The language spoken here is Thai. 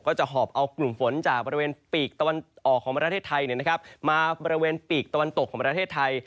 จะหอบเอากลุ่มฝนจากบริเวณปีกตะวันออกของประเทศไทยมาบริเวณปีกตะวันตกของประเทศไทย